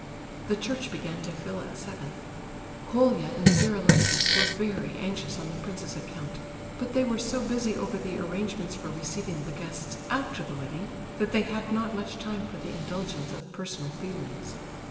The church began to fill at seven. Colia and Vera Lebedeff were very anxious on the prince's account, but they were so busy over the arrangements for receiving the guests after the wedding, that they had not much time for the indulgence of personal feelings.